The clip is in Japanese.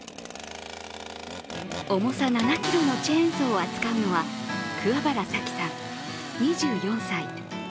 重さ７ｋｇのチェーンソーを扱うのは、桑原佐季さん２４歳。